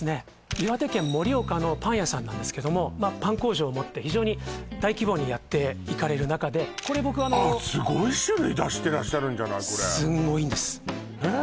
岩手県盛岡のパン屋さんなんですけどもパン工場を持って非常に大規模にやっていかれる中であっすごい種類出してらっしゃるんじゃないこれすごいんですへえ